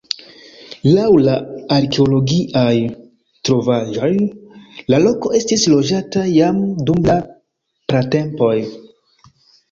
Laŭ la arkeologiaj trovaĵoj la loko estis loĝata jam dum la pratempoj.